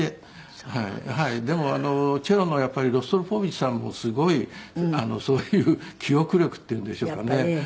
でもチェロのやっぱりロストロポーヴィチさんもすごいそういう記憶力っていうんでしょうかね。